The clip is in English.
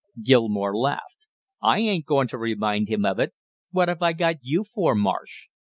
Gilmore laughed. "I ain't going to remind him of it; what have I got you for, Marsh?